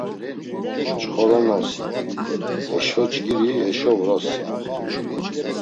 Nçxoronosi, heşo cgiri heşo vrossi.